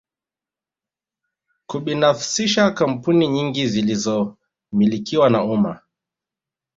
Kubinafsisha kampuni nyingi zilizomilikiwa na umma